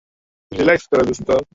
তাহলে আমাদের কোনও নিয়ন্ত্রণ থাকবে না।